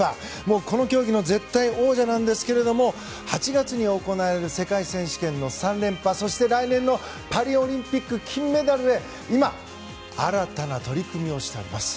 この競技の絶対王者なんですけれども８月に行われる世界選手権の３連覇そして、来年のパリオリンピック金メダルへ今、新たな取り組みをしています。